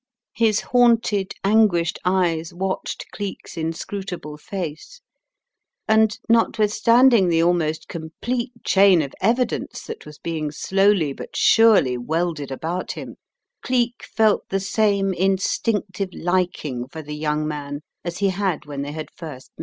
His haunted, anguished eyes watched Cleek's inscrutable face and, notwithstanding the almost complete chain of evidence that was being slowly but surely welded about him, Cleek felt the same instinctive liking for the young man as he had when they had first met.